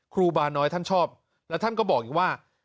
ครูบาน้อยท่านชอบแล้วท่านก็บอกอีกว่า